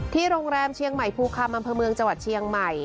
โรงแรมเชียงใหม่ภูคำอำเภอเมืองจังหวัดเชียงใหม่